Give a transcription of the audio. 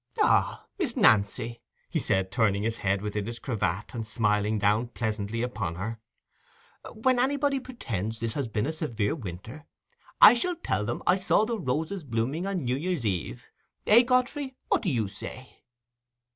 "Ha, Miss Nancy," he said, turning his head within his cravat and smiling down pleasantly upon her, "when anybody pretends this has been a severe winter, I shall tell them I saw the roses blooming on New Year's Eve—eh, Godfrey, what do you say?"